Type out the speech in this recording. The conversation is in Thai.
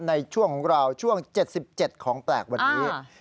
ในช่วงของเราช่วง๗๗ของแปลกวันนี้